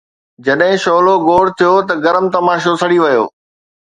جڏهن شعلو گوڙ ٿيو ته گرم تماشو سڙي ويو